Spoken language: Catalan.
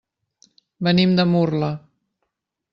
Venim de Murla.